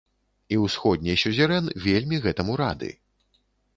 І ўсходні сюзерэн вельмі гэтаму рады.